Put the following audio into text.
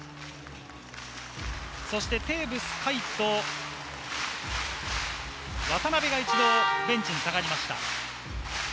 テーブス海と渡邉が一度ベンチに下がりました。